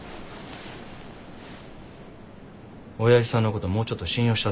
おやじさんのこともうちょっと信用したって。